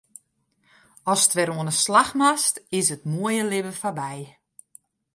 Ast wer oan 'e slach moatst, is it moaie libben foarby.